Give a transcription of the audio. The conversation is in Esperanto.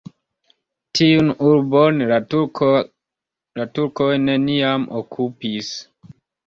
Tiun urbon la turkoj neniam okupis.